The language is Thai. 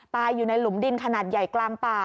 ตายอยู่ในหลุมดินขนาดใหญ่กลางป่า